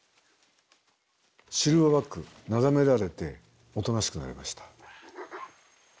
シルバーバックなだめられておとなしくなりました。